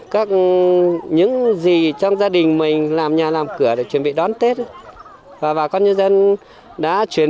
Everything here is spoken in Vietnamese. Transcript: các những gì trong gia đình mình làm nhà làm cửa để chuẩn bị đón tết và bà con nhân dân đã chuyển